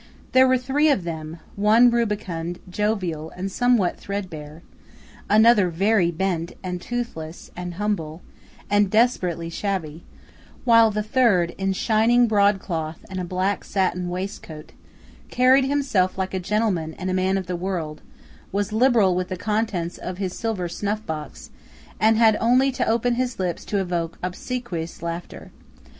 There were three of them–one rubicund, jovial, and somewhat threadbare; another very bent, and toothless, and humble, and desperately shabby; while the third, in shining broadcloth and a black satin waistcoat, carried himself like a gentleman and a man of the world, was liberal with the contents of his silver snuff box, and had only to open his lips to evoke obsequious laughter.